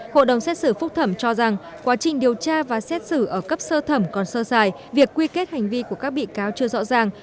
hội đồng xét xử phúc thẩm cho rằng quá trình điều tra và xét xử ở cấp sơ thẩm còn sơ dài việc quy kết hành vi của các bị cáo chưa rõ ràng